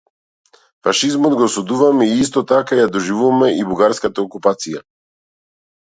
Фашизмот го осудувавме и исто така ја доживувавме и бугарската окупација.